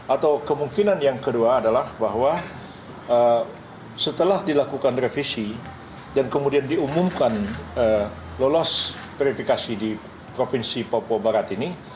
atau kemungkinan yang kedua adalah bahwa setelah dilakukan revisi dan kemudian diumumkan lolos verifikasi di provinsi papua barat ini